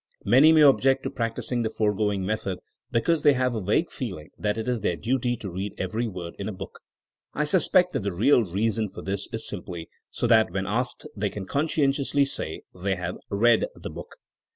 Many may object to practicing the foregoing method because they have a vague feeling that it is their duty to read every word in a book. I suspect that the real reason for this is simply so that when asked they can conscientiously say they have read the book.